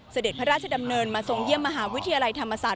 เสด็จพระราชดำเนินมาทรงเยี่ยมมหาวิทยาลัยธรรมศาสต